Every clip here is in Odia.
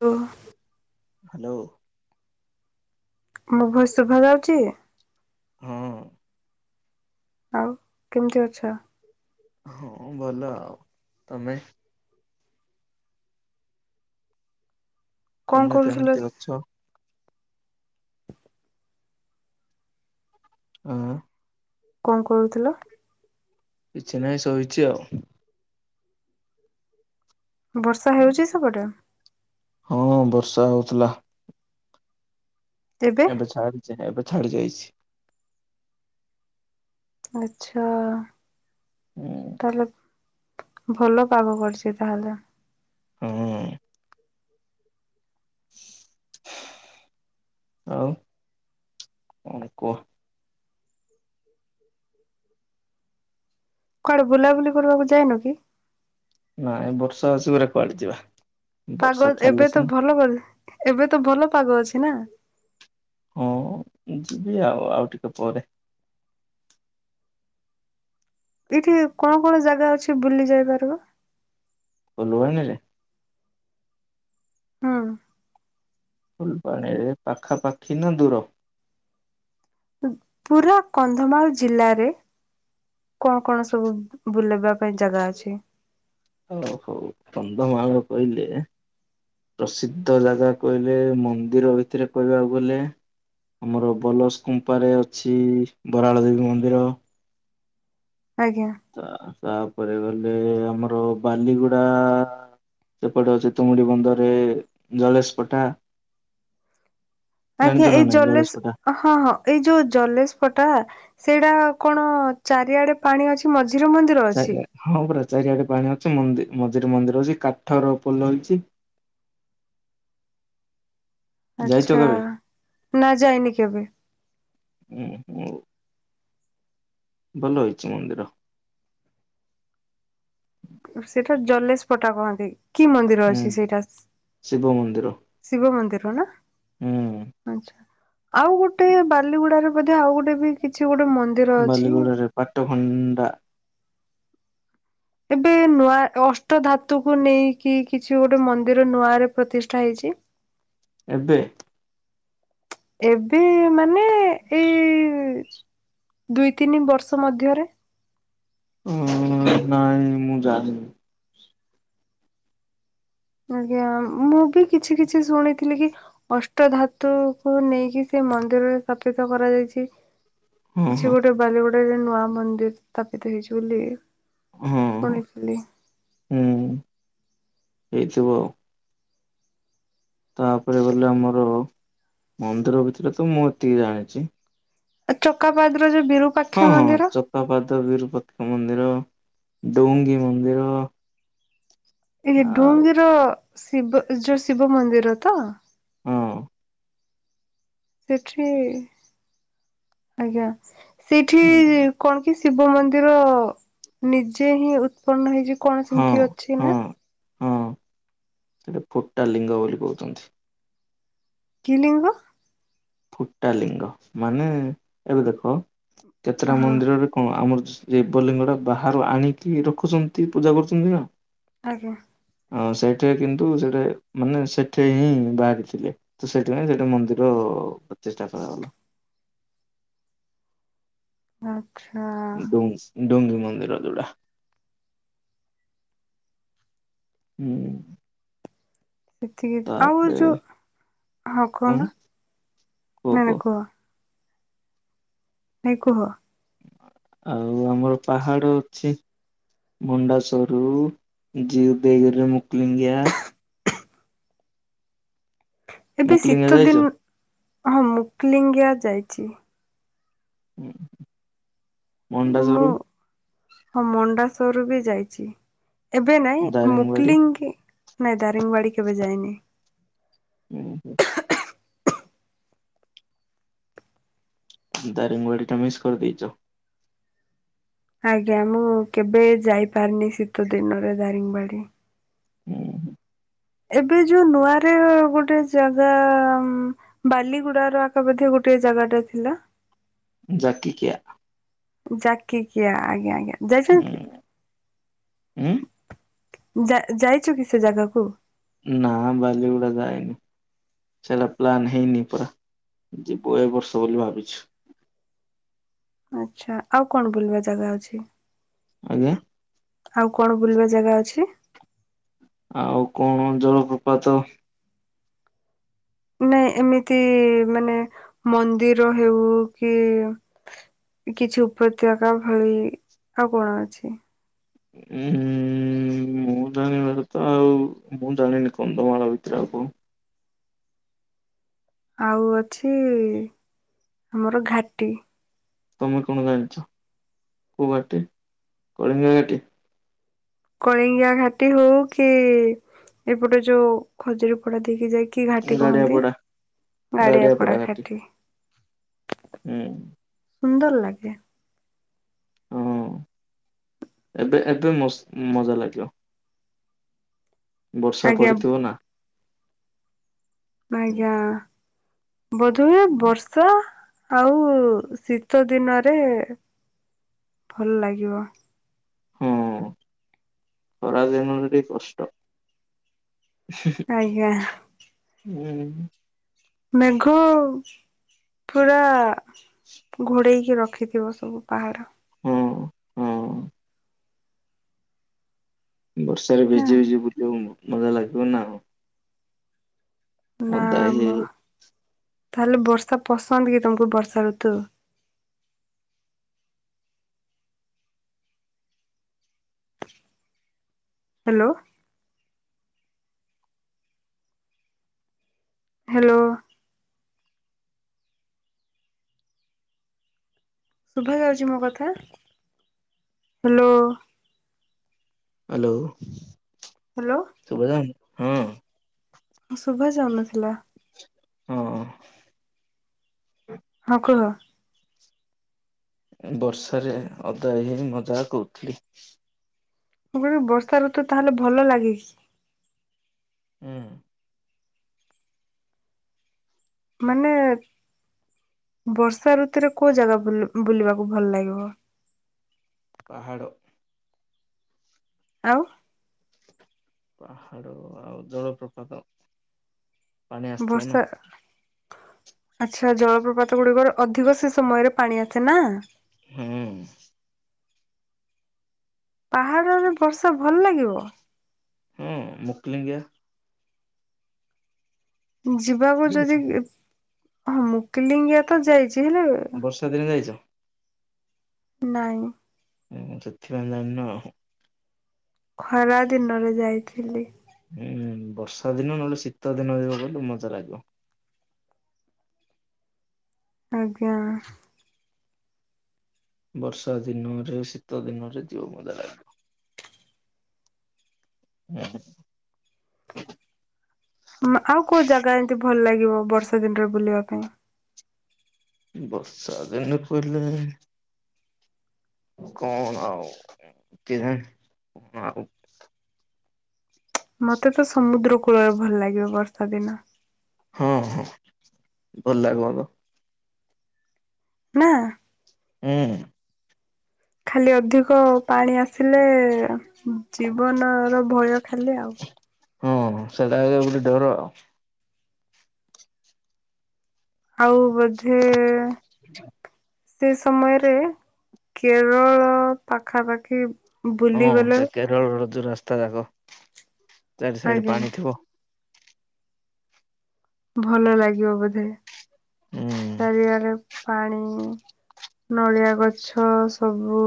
ଓ- ହାଲୋ ମୋ ଭଏସ ଶୁଭା ଯାଉଛି? ହୁଁ ଆଉ କେମିତି ଅଛ? ହଁ ଭଲ ଆଉ, ତମେ? କଣ ତମେ କରୁଥିଲ? କେମତି ଅଛ? ଉଁ କଣ କରୁଥିଲ? କିଛିନାଇ ଶୋଇଚି ଆଉ ବର୍ଷା ହେଉଛି ସେପଟେ? ହଁ ବର୍ଷା ହେଉଥିଲା। ଏବେ ଛାଡ଼ିଛି, ଏବେ ଛାଡ଼ି ଯାଇଛି ଆଛା, ହୁଁ ତାହଲେ ଭଲ ପାଗ କରୁଛି ତାହେଲେ ଉଁ ହୁ ଆଉ କଣ କୁହ କୁଆଡେ ବୁଲାବୁଲି କରିବାକୁ ଯାଏନୁ କି ନାଇଁ ବର୍ଷା ଆସିବରେ କୁଆଡେ ଯିବା ବର୍ଷା ପାଗ ଛାଡିଲେ ଏବେ ତ ସିନା ଭଲ ଏବେ ତ ଭଲ ପାଗ ଅଛି ନା ହଁ ଯିବି ଆଉ ଆଉ ଟିକେ ପରେ ଏଇଠି କଣ କଣ ଜାଗା ଅଛି ବୁଲି ଯାଇ ପାରିବ ଫୁଲବାଣୀ ରେ ହଁ ଫୁଲ ପାଣିରେ ପାଖାପାଖି ନା ଦୂର ପୁରା କନ୍ଧମାଳ ଜିଲ୍ଲାରେ କଣ କଣ ସବୁ ବୁଲବା ପାଇଁ ଜାଗା ଅଛି ହଉ ହଉ କନ୍ଧମାଳ କହିଲେ ପ୍ରସିଦ୍ଧ ଜାଗା କହିଲେ ମନ୍ଦିର ଭିତରେ କହିବାକୁ ଗଲେ ଆମର ବଲସ୍ କୁମ୍ପାରେ ଅଛି ବରାଳ ଦେବୀ ମନ୍ଦିର ଆଜ୍ଞା ତାପରେ ଗଲେ ଆମର ବାଲିଗୁଡା ସେପଟେ ହଉଛି ତୁମୁଡି ବନ୍ଦରରେ ଜଳେଶ ପଠା ଆଜ୍ଞା ଏଇ ଜଲେଶ ହଁ ହଁ ଏଇ ଯୋଉ ଜଲେଶ ପଟା ସେଇଟା କଣ ଚାରିଆଡେ ପାଣି ଅଛି ମଝିରେ ମଝିରେ ଚାରିଆ ହଁ ପୁରା ଚାରିଆଡେ ପାଣି ଅଛି ମି ମନ୍ଦିରେ ମନ୍ଦିର ଅଛି କାଠର ପୋଲ ଅଛି ଯାଇଛ ଆଛା କେବେ? ନା ଯାଇନି କେବେ ହୁଁ ହୁ ଭଲ ହେଇଛି ମନ୍ଦିର ସେଇଟା ଜଲେଶପଟା କହନ୍ତି କି ମନ୍ଦିର ହୁଁ ଅଛି ସେଇଟା ଶିବ ମନ୍ଦିର ଶିବ ମନ୍ଦିର ନା ହୁଁ। ଆଛା- ଆଉ ଗୋଟେ ବାଲିଗୁଡାାରେ ବେ ଆଉ ଗୋଟେ ବି କିଛି ଗୋଟେ ମନ୍ଦିର ଅଛି। ବାଲିଗୁଡରେ ପାଟଖଣ୍ଡା ଏବେ ନୂଆ ଅଷ୍ଟ ଧାତୁକୁ ନେଇକି କିଛି ଗୋଟେ ମନ୍ଦିର ନୂଆ ରେ ପ୍ରତିଷ୍ଠା ହେଇଛି ଏବେ ଏବେ ମାନେ ଏଇ ଦୁଇ ତିନି ବର୍ଷ ମଧ୍ୟରେ ହ ନାଇଁ ମୁଁ ଜାଣିନି ଆଜ୍ଞା ମୁଁ ବି କିଛି କିଛି ଶୁଣିଥିଲି କି ଅଷ୍ଟ ଧାତୁ କ ନେଇକି ସେ ମନ୍ଦିରରେ ସ୍ଥାପିତ କରାଯାଇଛି ହଁ କିଛି ହଁ ଗୋଟେ ବାଲିଗୁଡାରେ ନୂଆ ମନ୍ଦିର ସ୍ଥାପିତ ହେଇଛି ବୋଲି ହଁ ଶଣିଥିଲି ହଁ ଏଇଚ ବାଉ ତାପରେ ଗଲେ ଆମର ମନ୍ଦିର ଭିତରେ ତ ମୁଁ ଏତିକି ଜାଣିଛି ଚକାପଦର ଯୋଉ ବିରୁପ ହଁ ହଁ ଚତାପାଦ ବିରୁପତି ମନ୍ଦିର ଡଉଙ୍ଗି ମନ୍ଦିର ଏଇ ଆଉ ଡୁଙ୍ଗୀର ଶିବ ଯୋଉ ଶିବ ମନ୍ଦିର ତ ହଁ ସେଠି ଆଜ୍ଞା ସେଠି ହୁଁୁ କଣ କି ଶିବ ମନ୍ଦିର ନିଜେ ହିଁ ଉତ୍ପନ୍ନ ହେଇଛି କଣ ହଁ ସେମିତି ଅଛି ହଁ ନା ହଁ ସେଟା ଫୋଟା ଲିଙ୍ଗ ବୋଲି କହୁଛନ୍ତି କି ଲିଙ୍ଗ ଫୁଟାଲିିଙ୍ଗ ମାନେ ଏବେ ଦେଖ କେତେଟ ହଁ ମନ୍ଦିରରେ କଣ ଆମର ଦେବଲିଙ୍ଗଟା ବାହାରୁ ଆଣିକି ରଖୁଛନ୍ତି ପୂଜା କରୁଛନ୍ତି ନା ଆଜ୍ଞା ଆଉ ସେଇଠି କିନ୍ତୁ ସେଠା ମାନେ ସେଠି ହିଁ ବାହାରିଥିଲେ ତ ସେଇଥିପାଇଁ ସେଟା ମନ୍ଦିର ପଚିଷ୍ଟା କରାଗଲା। ଆଛା। ଡ ଡୁଙ୍ଗୀ ମନ୍ଦିର ଯୋଉଟା, ହୁଁ। ଏତିକି ଆଉ ତାପରେ ଯୋଉ ହଁ କହୁନ କଣ ନାଇ ନାଇ କୁହ। ନାଇଁ କୁହ ଆଉ ଆମର ପାହାଡ଼ ଅଛି। ମୁଣ୍ଡାସୋରୁ ଜଉଦେଗିରି ମୁକୁଲିଙ୍ଗିଆ, ଏବେ ମୁକ୍ଲିଙ୍ଗିଆ ଶୀତ ଯାଇଛ? ଦିନ ହଁ ମୁକ୍ଲିଙ୍ଗିଆ ଯାଇଛି। ହୁଁଁ। ମୁଁ ହଁ ମଣ୍ଡାସରରୁୁ ବି ଯାଇଛି। ଏବେ ନାଇଁ ଦାରିଙ୍ଗବାଡି ମୁକଲିଙ୍ଗ ନାଇଁ ଦାରିଙ୍ଗବାଡି କେବେ ଯାଇନି। ହୁଁ ହୁଁ। ଦାରିଙ୍ଗବାଡ଼ି ଟା ମିସ୍ କରିଦେଇଛ। ଆଜ୍ଞା ମୁଁ କେବେ ଯାଇପାରିନି ଶୀତ ଦିନରେ ଦାରିଙ୍ଗବାଡ଼ି, ହୁଁଁ। ଏବେ ଯୋଉ ନୂଆରେ ଗୋଟେ ଜାଗା ବାଲିଗୁଡାର ଆଖପାଧି ଗୋଟେ ଜାଗା ଟା ଥିଲା। ଜାକିିକିଆ ଜାକିକିଆ ଆଜ୍ଞା ଆଜ୍ଞା ଯାଇଛନ୍ତି? ଉଁ ଯାଇ ଯାଇଛୁ କି ସେ ଜାଗାକୁ? ନା ବାଲି ଗଡା ଯାଇନି। ସେଇଟା ପ୍ଲାନ୍ ହେଇନି ପୁରା ଯିବୁ ଏ ବର୍ଷ ବୋଲି ଭାବିଛୁ। ଆଛା ଆଉ କଣ ବୁଲିବା ଜାଗା ଅଛି? ଆଜ୍ଞା। ଆଉ କଣ ବୁଲିବା ଜାଗା ଅଛି? ଆଉ କଣ ଜଳପ୍ରପାତ ନାଇଁ ଏମିତି ମାନେ ମନ୍ଦିର ହଉ କି କିଛି ଉପତ୍ୟକା ଭଳି ଆଉ କଣ ଅଛି? [inaudible] ମୁଁ ଜାଣି ତ ଆଉ ମୁଁ ଜାଣିନି କନ୍ଧମାଳ ଭିତରେ ଆଉ କଣ, ଆଉ ଅଛି ଆମର ଘାଟି। ତମେ କଣ ଜାଣିଛ କୋଉ ଘାଟି କଳିଙ୍ଗ ଘାଟି? କଳିଙ୍ଗିଆ ଘାଟି ହଉ କି ଏପଟ ଯୋଉ ଖଜୁରୀ ପଡା ଦେଇକି ଯାଇକ କି ଘାଟି ଗାଡିଆ କୁହନ୍ତି? ପଡା ଗାଡିଆ ପଡା ଖାଟି। ହୁଁ। ସୁନ୍ଦର ଲାଗେ। ହଁ ଏବେ ଏବେ ମ ମଜା ଲାଗିବ। ବର୍ଷା ଆଜ୍ଞା ପଡିଥିବ ନା। ଆଜ୍ଞା ବୋଧେ ହୁଏ ବର୍ଷା ଆଉ ଶୀତ ଦିନରେ ଭଲ ଲାଗିବ। ହଁ ଖରା ଦିନରେ ଟିକେ କଷ୍ଟ। ଆଜ୍ଞା। ହୁଁ। ମେଘ ପୁରା ଘୋଡ଼େଇକି ରଖିଥିବ ସବୁ ପାହାଡ଼ ହଁ ହଁ। ବର୍ଷାରେ ନା ଭିଜି ଭିଜି ବୁଲିବାକୁ ମଜା ଲାଗିବ ନା ଆଉ, ନା ଓଦା ହେଇ ମ ହେଇ ତାହେଲେ ବର୍ଷା ପସନ୍ଦ କି ତମକୁ ବର୍ଷା ଋତୁ ହ୍ୟାଲୋ। ହ୍ୟାଲୋ। ଶୁଭା ଯାଉଛି ମୋ କଥା? ହ୍ୟାଲୋ। ହ୍ୟାଲୋ। ହ୍ୟାଲୋ। ଶୁଭା ଯାଉନି? ହଁ। ଶୁଭା ଯାଉନଥିଲା। ହଁ। ହଁ କୁହ। ବର୍ଷାରେ ଓଦା ହେଇ ହେଇ ମଜା କରୁଥିଲି। ଆପଣଙ୍କୁ ବର୍ଷାଋତୁ ତାହେଲେ ଭଲ ଲାଗେ କି? ହୁଁ। ମାନେ, ବର୍ଷାଋତୁରେ କୋଉ ଜାଗା ବୁଲୁ ବୁଲିବାକୁ ଭଲ ଲାଗିବ? ପାହାଡ଼। ଆଉ ପାହାଡ ଆଉ ଜଳପ୍ରପାତ। ପାଣି ଆସିଥିବ ନା ବର୍ଷା ଆଚ୍ଛା, ଜଳପ୍ରପାତ ଗୁଡିକରେ ଅଧିକ ସେ ସମୟରେ ପାଣି ଆସେ ନା? ହୁଁ। ପାହାଡରେ ବର୍ଷା ଭଲ ଲାଗିବ? ହୁଁ ମୁକଲିଙ୍ଗିଆ। ଯିବାକୁ ଯଦି ଯାଇଛ ହଁ ମୁକିଲିଙ୍ଗିଆ ତ ଯାଇଛି, ହେଲେ ବର୍ଷାଦିନେ ଯାଇଛ? ନାଇଁ। ଉମ୍ ସେଥିପାଇଁ ଜାଣିନ ଆଉ। ଖରାଦିନରେ ଯାଇଥିଲି। ହୁଁ ଉଁ, ବର୍ଷାଦିନ ନହେଲେ ଶୀତଦିନରେ ଯିବ ବୋଲି ମଜା ଲାଗିବ। ଆଜ୍ଞା। ବର୍ଷାଦିନରେ, ଶୀତଦିନରେ ଯିବ ମଜା ଲାଗେ। ହୁଁ। ମା ଆଉ କୋଉ ଜାଗା ଏନ୍ତି ଭଲ ଲାଗିବ, ବର୍ଷାଦିନରେ ବୁଲିବା ପାଇଁ? ବର୍ଷାଦିନେ କହିଲେ କଣ ଆଉ କେଜାଣି? କଣ ଆଉ ମତେ ତ ସମୁଦ୍ରକୂଳରେ ଭଲ ଲାଗିବ, ବର୍ଷାଦିନ। ହଁ ହଁ। ଭଲ ଲାଗିବ ତ। ନାଁ? ହୁଁ ହୁଁ। ଖାଲି ଅଧିକ ପାଣି ଆସିଲେ, ଜୀବନର ଭୟ ଖାଲି ଆଉ। ହଁ ସେଇଟା ଆଗା ବି ଗୋଟେ ଡର ଆଉ। ଆଉ ବୋଧେ ସେ ସମୟରେ କେରଳ ପାଖାପାଖି ବୁଲିଗଲେ କେଳରର ଯୋଉ ରାସ୍ତା ଯାକ, ଚାରି ସାଇଡ ଆଜ୍ଞା ପାଣି ଥିବ ଭଲ ଲାଗିବ ବୋଧେ, ହୁଁ ଚାରିଆଡେ ପାଣି, ନଳିଆ ଗଛ ସବୁ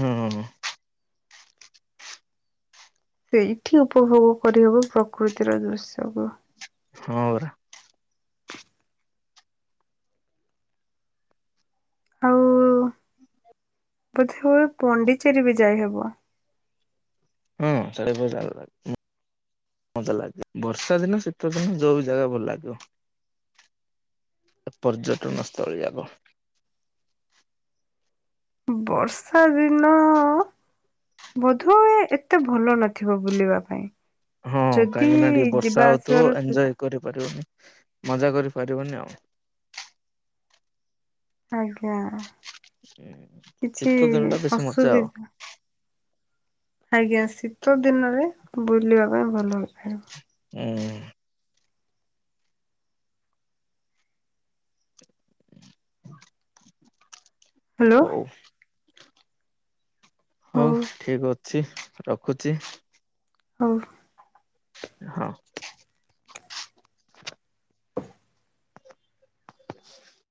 ହଁ। ସେଇଠି ଉପଭୋଗ କରିହବ ପ୍ରକୃତିର ଦୃଶ୍ୟକୁ। ହଁ ପରା। ଆଉ ବୋଧେ ହୁଏ ପଣ୍ଡିଚେରୀ ବି ଯାଇହବ। ହୁଁ ସାଡେ [unintelligible] ମଜା ଲାଗେ। ବର୍ଷାଦିନ, ଶୀତଦିନ ଯୋଉ ଜାଗା ଭଲ ଲାଗିବ। ଆ ପର୍ଯ୍ୟଟନ ସ୍ଥଳୀ ଆଗ। ବର୍ଷା ଦିନ ବୋଧୁହୁଏ ଏତେ ଭଲ ନଥିବ ବୁଲିବା ପାଇଁ। ହଁ ଯଦି କାହିଁକି ନା ଟିକେ ବର୍ଷା ଯିବା ହଉଥିବ ଆସିବାର ଏଞ୍ଜୟ ସୁବିଧା କରିପାରିବନି ମଜା କରିପାରିବନି ଆଉ। ଆଜ୍ଞା କିଛି ଶୀତ ଦିନ ଟା ବେଶୀ ମଜା ଆଉ। ଅସୁବିଧା ଆଜ୍ଞା ଶୀତ ଦିନରେ ବୁଲିବା ପାଇଁ ଭଲ ଉପାୟ। ଉଁ [inaudible] ହ୍ୟାଲୋ ହୋଉ। ହଉ ହୋଉ ଠିକ୍ ଅଛି ରଖୁଚି। ହୋଉ। ହଁ। [inaudible]